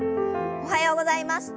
おはようございます。